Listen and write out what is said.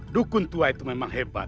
dukun tua itu memang hebat